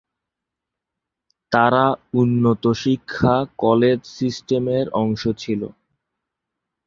তারা উন্নত শিক্ষা কলেজ সিস্টেমের অংশ ছিল।